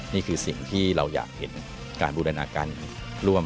นี่คือสิ่งที่เราอยากเห็นการบูรณาการร่วม